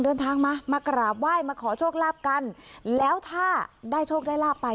เดินทางมามากราบไหว้มาขอโชคลาภกันแล้วถ้าได้โชคได้ลาบไป